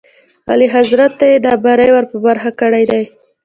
اعلیحضرت ته یې دا بری ور په برخه کړی دی.